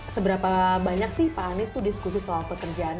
seberapa banyak sih pak anies itu diskusi soal pekerjaan